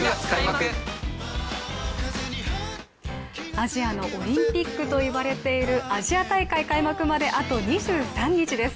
アジアのオリンピックといわれているアジア大会開幕まであと２３日です。